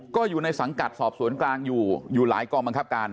ก็อยู่ในสังกัดสอบสวนกลางอยู่อยู่หลายกองบังคับการ